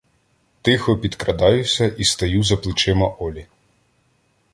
Тихо підкрадаюся і стаю за плечима Олі.